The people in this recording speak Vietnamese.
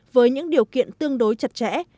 với những điều kiện tương đối chặt chẽ